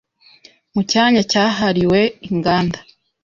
mu cyanya cyahariwe inganda